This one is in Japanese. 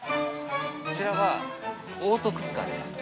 ◆こちらは、オートクッカーです。